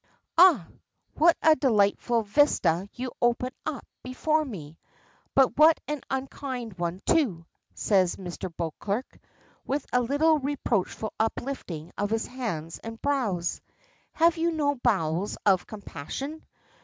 "Ah! what a delightful vista you open up before me, but what an unkind one, too," says Mr. Beauclerk, with a little reproachful uplifting of his hands and brows. "Have you no bowels of compassion?